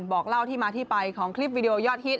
บอกเล่าที่มาที่ไปของคลิปวิดีโอยอดฮิต